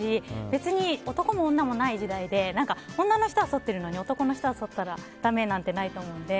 別に男も女もない時代で女の人はそってるのに男の人はだめなんてないと思うので。